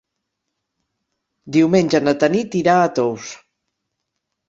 Diumenge na Tanit irà a Tous.